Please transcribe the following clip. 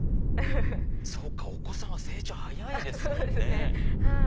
そうかお子様成長早いですもんね。